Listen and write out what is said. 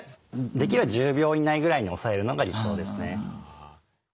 できれば１０秒以内ぐらいに抑えるのが理想ですね。